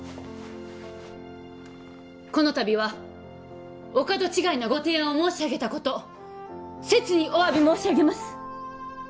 この度はお門違いなご提案を申し上げたこと切にお詫び申し上げます